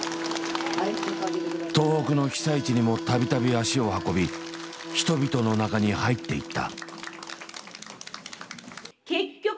東北の被災地にも度々足を運び人々の中に入っていった。